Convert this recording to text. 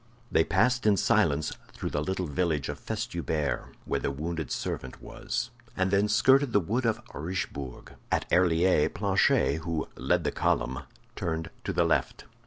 They passed in silence through the little village of Festubert, where the wounded servant was, and then skirted the wood of Richebourg. At Herlier, Planchet, who led the column, turned to the left.